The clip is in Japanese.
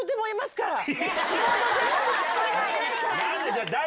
じゃあ誰？